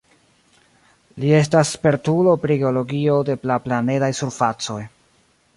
Li estas spertulo pri geologio de la planedaj surfacoj.